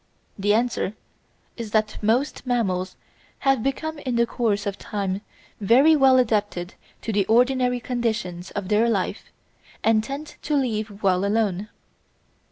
The answer is that most mammals have become in the course of time very well adapted to the ordinary conditions of their life, and tend to leave well alone.